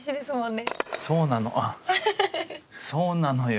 そうなのよ。